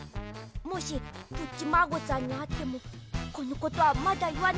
もしプッチマーゴさんにあってもこのことはまだいわないで。